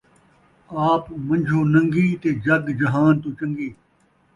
آپ من٘جھو نن٘گی تے جڳ جہان توں چنڳی